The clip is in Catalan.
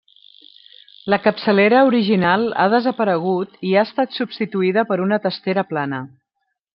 La capçalera original ha desaparegut i ha estat substituïda per una testera plana.